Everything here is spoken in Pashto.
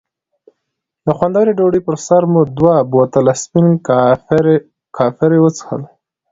د خوندورې ډوډۍ پر سر مو دوه بوتله سپین کاپري وڅښل.